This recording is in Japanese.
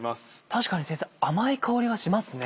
確かに先生甘い香りがしますね。